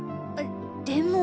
でも。